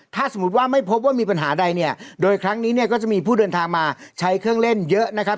ถ้าสมมุติว่าไม่พบว่ามีปัญหาใดเนี่ยโดยครั้งนี้เนี่ยก็จะมีผู้เดินทางมาใช้เครื่องเล่นเยอะนะครับ